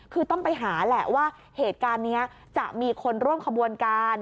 คือต้องไปหาแหละว่าเหตุการณ์นี้จะมีคนร่วมขบวนการ